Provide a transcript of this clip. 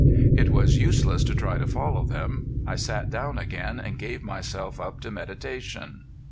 It was useless to try to follow them. I sat down again and gave myself up to meditation.